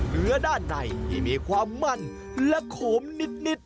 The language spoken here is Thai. เหลือด้านในก็มีความมั่นและขอมนิด